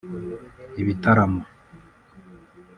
ibitaramo